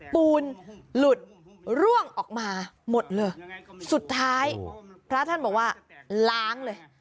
ปูนหลุดร่วงออกมาหมดเลยสุดท้ายพระท่านบอกว่าล้างเลย